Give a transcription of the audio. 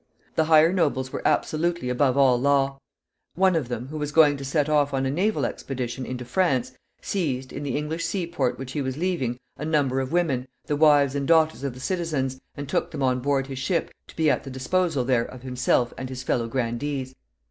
The higher nobles were absolutely above all law. One of them, who was going to set off on a naval expedition into France, seized, in the English sea port which he was leaving, a number of women, the wives and daughters of the citizens, and took them on board his ship, to be at the disposal there of himself and his fellow grandees.